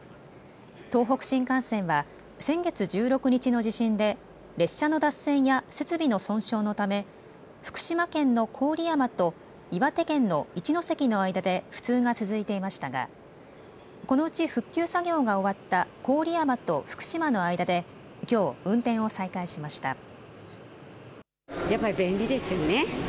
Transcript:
東北新幹線は先月１６日の地震で列車の脱線や設備の損傷のため福島県の郡山と岩手県の一ノ関の間で不通が続いていましたがこのうち復旧作業が終わった郡山と福島の間できょう運転を再開しました。